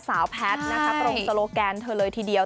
สาวแพทย์ตรงสโลแกนเธอเลยทีเดียว